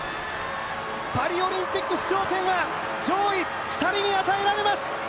パリオリンピック出場権は上位２人に与えられます！